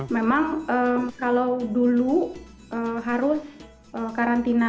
memang kalau dulu harus karantina